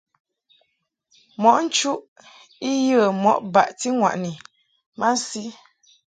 Mɔʼ nchuʼ I yə mɔʼ baʼti ŋwaʼni masi.